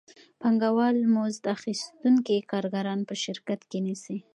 پانګوال مزد اخیستونکي کارګران په شرکت کې نیسي